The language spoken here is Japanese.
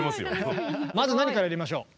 まず何からやりましょう？